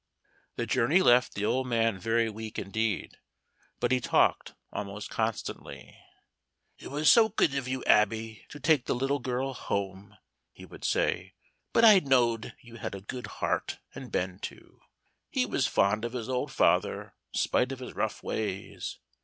The journey left the old man very weak indeed, but he talked almost constantly. "It was so good of you, Abby, to take the little girl home," he would say. "But I knowed you had a good heart, and Ben too. He was fond of his old father, spite of his rough ways.